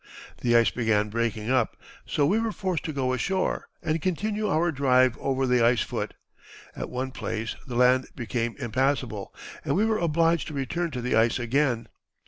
The ice began breaking up, so we were forced to go ashore and continue our drive over the ice foot. At one place the land became impassable, and we were obliged to return to the ice again.